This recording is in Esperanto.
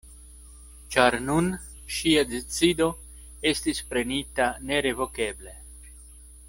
Ĉar nun ŝia decido estis prenita nerevokeble.